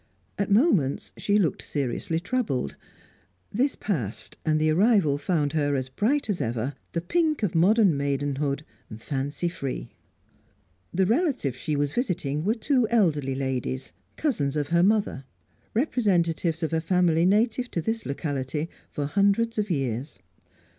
At moments she looked seriously troubled. This passed, and the arrival found her bright as ever; the pink of modern maidenhood, fancy free. The relatives she was visiting were two elderly ladies, cousins of her mother; representatives of a family native to this locality for hundreds of years.